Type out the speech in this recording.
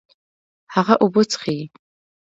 هغه اوبه څښي